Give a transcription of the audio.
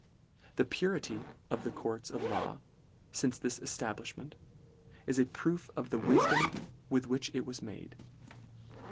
The purity of the courts of law, fince this establishment, is a proof of the wifdom with which it was made.